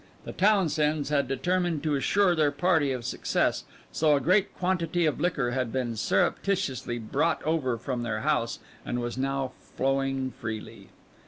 The Townsends had determined to assure their party of success, so a great quantity of liquor had been surreptitiously brought over from their house and was now flowing freely.